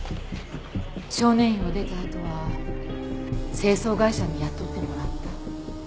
少年院を出たあとは清掃会社に雇ってもらった。